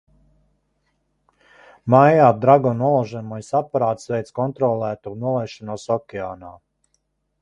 "Maijā "Dragon" nolaižamais aparāts veica kontrolētu nolaišanos okeānā."